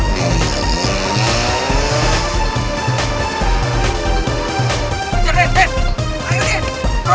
biar sekalian beban ilonya turun